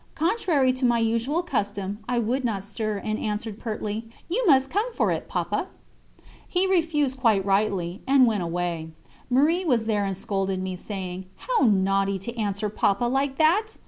Contrary to my usual custom, I would not stir, and answered pertly: "You must come for it, Papa." He refused quite rightly, and went away. Marie was there and scolded me, saying: "How naughty to answer Papa like that!"